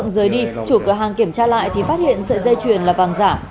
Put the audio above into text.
rời đi chủ cửa hàng kiểm tra lại thì phát hiện sợi dây chuyền là vàng giả